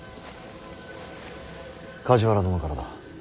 梶原殿からだ。